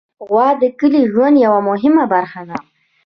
غوا د کلي ژوند یوه مهمه برخه ده.